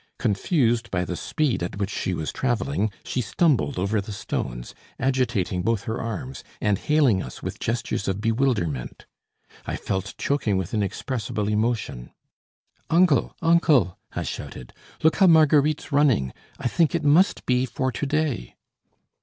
Confused by the speed at which she was travelling, she stumbled over the stones, agitating both her arms, and hailing us with gestures of bewilderment. I felt choking with inexpressible emotion. "Uncle, uncle," I shouted, "look how Marguerite's running. I think it must be for to day."